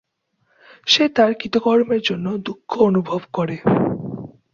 সে তার কৃতকর্মের জন্য দুঃখ অনুভব করে।